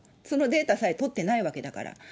そのデータさえ取ってないわけだから。